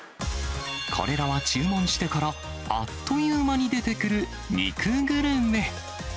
これらは注文してからあっという間に出てくる肉グルメ。